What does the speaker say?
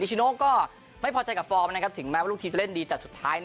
ชิโนก็ไม่พอใจกับฟอร์มนะครับถึงแม้ว่าลูกทีมจะเล่นดีแต่สุดท้าย